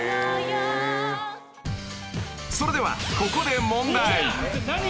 ［それではここで］